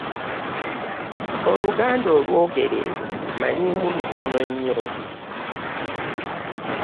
Oluganda olwogere manyiimu lutono nnyo.